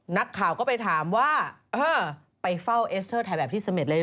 นักข่าวก็ไปถามว่าเออไปเฝ้าเอสเตอร์ถ่ายแบบที่เสม็ดเลยเห